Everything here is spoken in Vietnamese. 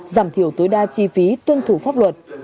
giảm thiểu tối đa chi phí tuân thủ pháp luật